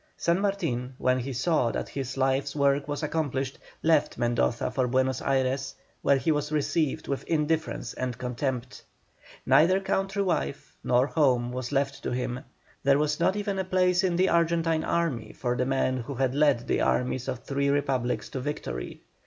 San Martin when he saw that his life's work was accomplished, left Mendoza for Buenos Ayres, where he was received with indifference and contempt. Neither country wife, nor home, was left to him, there was not even a place in the Argentine Army for the man who had led the armies of three Republics to victory.